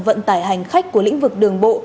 vận tải hành khách của lĩnh vực đường bộ